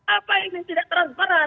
apa ini tidak transparan